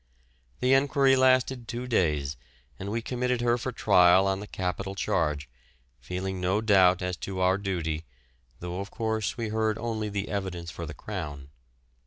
The enquiry lasted two days and we committed her for trial on the capital charge, feeling no doubt as to our duty, though of course we heard only the evidence for the Crown.